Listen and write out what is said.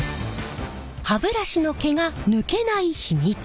歯ブラシの毛が抜けない秘密。